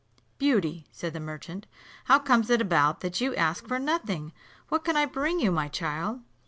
"Beauty," said the merchant, "how comes it about that you ask for nothing; what can I bring you, my child?"